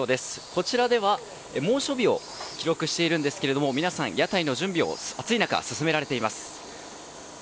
こちらでは、猛暑日を記録しているんですけれども皆さん、屋台の準備を暑い中、進められています。